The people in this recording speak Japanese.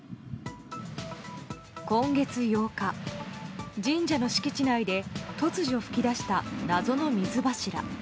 今月８日、神社の敷地内で突如噴き出した謎の水柱。